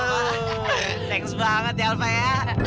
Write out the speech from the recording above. thanks banget ya alva ya